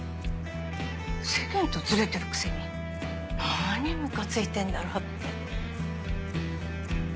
世間とズレてるくせに何ムカついてんだろうって。